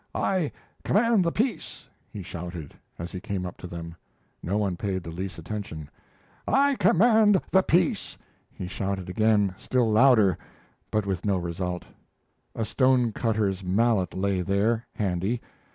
"I command the peace!" he shouted, as he came up to them. No one paid the least attention. "I command the peace!" he shouted again, still louder, but with no result. A stone cutter's mallet lay there, handy.